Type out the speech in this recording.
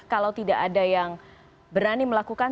kalau tidak ada yang berani melakukan